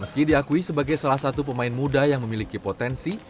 meski diakui sebagai salah satu pemain muda yang memiliki potensi